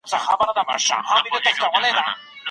هغه هلک چي نجاري کوي ډېر تکړه دی.